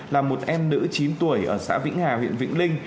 là một em nữ chín tuổi ở xã vĩnh hà huyện vĩnh linh